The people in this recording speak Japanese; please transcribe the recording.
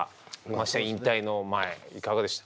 ましてや引退の前いかがでした？